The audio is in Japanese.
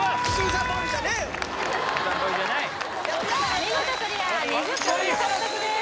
お見事クリア２０ポイント獲得です